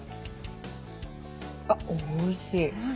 あおいしい。